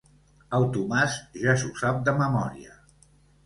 El Tomàs ja s'ho sap de memòria.